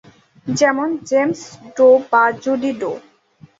যেমন: James Doe বা Judy do.